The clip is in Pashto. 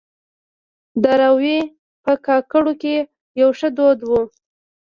دراوۍ په کاکړو کې يو ښه دود وه.